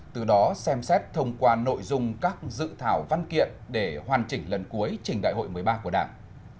từ đó xem xét thông qua nội dung các dự thảo văn kiện để hoàn chỉnh lần cuối trình đại hội một mươi ba của đảng